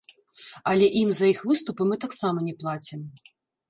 Але ім за іх выступы мы таксама не плацім.